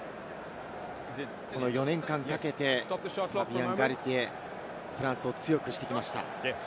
４年間かけてファビアン・ガルティエ、フランスを強くしてきました。